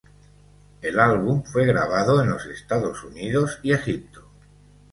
El álbum fue grabado en los Estados Unidos y Egipto.